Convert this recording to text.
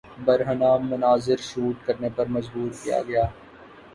برہنہ مناظر شوٹ کرنے پر مجبور کیا گیا